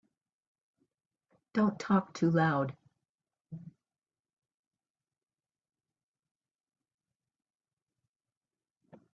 Don't talk too loud.